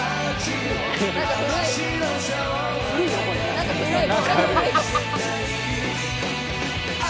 何か古い。